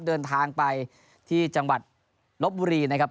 เดินทางไปที่จังหวัดลบบุรีนะครับ